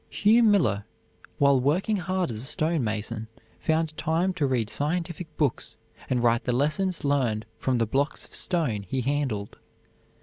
Hugh Miller, while working hard as a stone mason, found time to read scientific books, and write the lessons learned from the blocks of stone he handled.